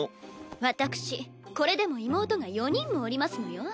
私これでも妹が４人もおりますのよ。